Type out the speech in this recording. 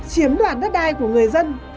chiếm đoàn đất đai của người dân